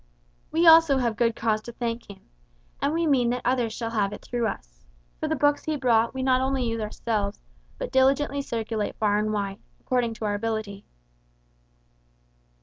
"We also have good cause to thank him. And we mean that others shall have it through us. For the books he brought we not only use ourselves, but diligently circulate far and wide, according to our ability."